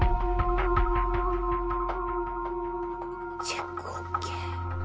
チェックＯＫ。